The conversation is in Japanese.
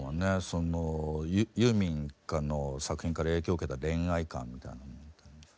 そのユーミンの作品から影響受けた恋愛観みたいなものってあります？